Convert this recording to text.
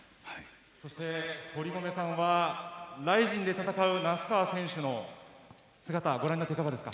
そして、堀米さんはＲＩＺＩＮで戦う那須川選手の姿ご覧になっていかがですか。